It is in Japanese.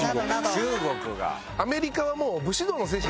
中国が。